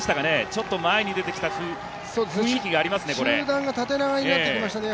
ちょっと前に出てきた雰囲気がありますね。